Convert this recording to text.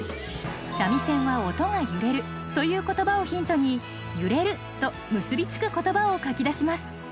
「三味線は音が揺れる」という言葉をヒントに「揺れる」と結び付く言葉を書き出します。